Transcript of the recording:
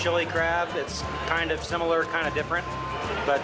saya ada krab cili singapura yang agak berbeda